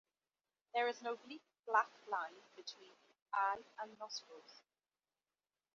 There is an oblique black line between eye and nostrils.